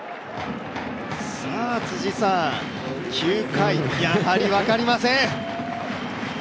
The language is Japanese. ９回、やはり分かりません。